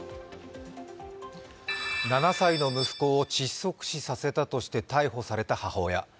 ７歳の息子を窒息死させたとして逮捕された母親。